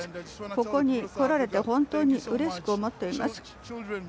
ここに来られて本当にうれしく思っています。